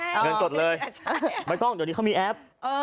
ไม่ต้องเดี๋ยวอันนี้เขามีแอป